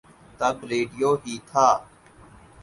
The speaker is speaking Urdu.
تب ریڈیو ہی تھا۔